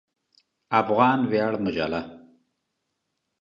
افغان ویاړ مجله